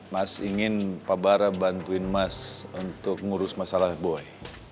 mas ingin pak bara bantuin mas untuk ngurus masalah boy